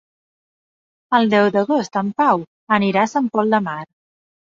El deu d'agost en Pau anirà a Sant Pol de Mar.